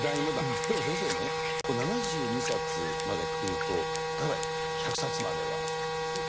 でも、先生ね、７２冊までくると１００冊までは。